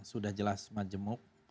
sudah jelas majemuk